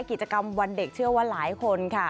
กิจกรรมวันเด็กเชื่อว่าหลายคนค่ะ